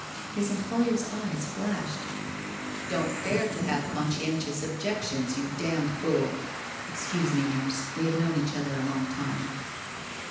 His employer's eyes Hashed. ' Don't dare to have conscientious objections, you damned fool! Excuse me, nurse, we have known each other a long time.'